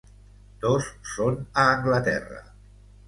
Dos són a Anglaterra.